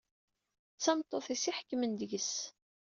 D tameṭṭut-is i iḥekmen deg-s.